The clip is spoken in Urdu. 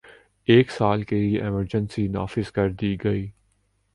ایک سال کے لیے ایمرجنسی نافذ کر دی گئی